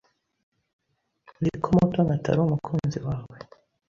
Nzi ko Mutoni atari umukunzi wawe.